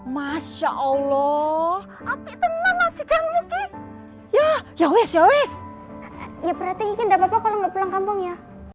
masya allah api tenang aja kamu gi ya ya wes ya wes ya berarti nggak apa apa kalau nggak pulang kampung ya